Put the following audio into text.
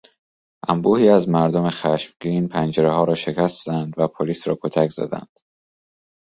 انبوهی از مردم خشمگین پنجرهها را شکستند و پلیس را کتک زدند.